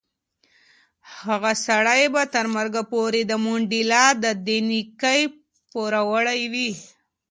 هغه سړی به تر مرګ پورې د منډېلا د دې نېکۍ پوروړی وي.